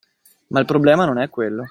Ma il problema non è quello.